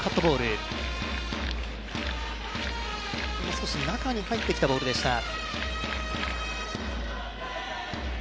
少し中に入ってきたボールでした。